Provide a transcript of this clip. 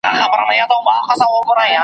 ژبه مي د حق په نامه ګرځي بله نه مني .